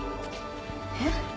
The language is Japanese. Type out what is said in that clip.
えっ？